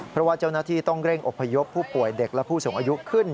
เพราะว่าเจ้าหน้าที่ต้องเร่งอบพยพผู้ป่วยเด็กและผู้สูงอายุขึ้น